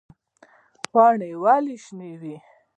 پاڼې ولې شنې وي؟